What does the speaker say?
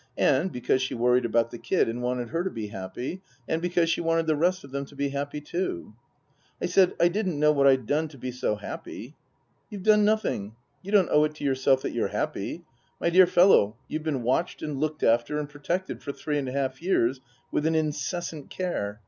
And because she worried about the Kid, and wanted her to be happy. And because she wanted the rest of them to be happy too." I said I didn't know what I'd done to be so happy. " You've done nothing. You don't owe it to yourself that you're happy. My dear fellow, you've been watched, and looked after, and protected for three and a half years with an incessant care.